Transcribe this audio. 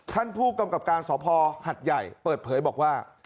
ท่านผู้กำกับการสภหัดใหญ่เปิดเผยบอกว่า